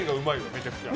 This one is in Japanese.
めちゃくちゃ。